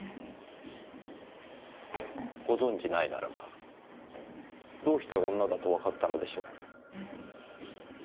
ご存知ないならばどうして女だとわかったのでしょう？